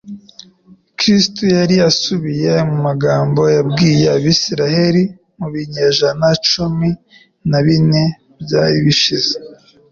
Kristo yari asubiye mu magambo yabwiye Abisirayeli mu binyejana cumi na bine byari bishize